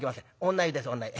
女湯です女湯」。